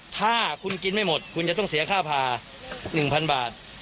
ถ้าคุณกินไม่หมดคุณจะต้องเสียค่าผ่า๑๐๐๐บาท